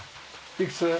いくつ？